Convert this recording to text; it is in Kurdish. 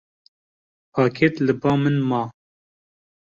Pakêt li ba min ma.